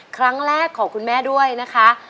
ครั้งแรกของคุณแม่ด้วยนะคะ